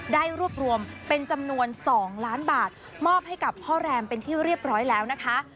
ได้รวบรวมเป็นจำนวน๒ล้านบาทมอบให้กับพ่อแรมเป็นที่เรียบร้อยแล้วนะคะ